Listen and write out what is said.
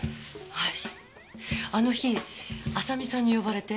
はい。